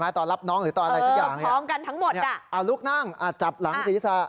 นี่ฉันเคยพร้อมกันทั้งหมดนี่ลุกนั่งจับหลังศิริษฐา